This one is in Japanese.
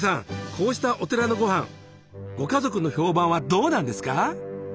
こうしたお寺のごはんご家族の評判はどうなんですか？